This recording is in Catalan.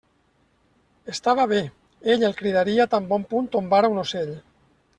Estava bé; ell el cridaria tan bon punt tombara un ocell.